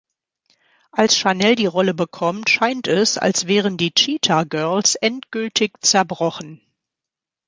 Als Chanel die Rolle bekommt, scheint es, als wären die Cheetah Girls endgültig zerbrochen.